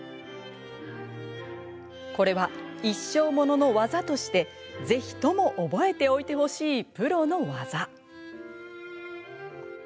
これは一生ものの技としてぜひとも覚えておいてほしいプロの技。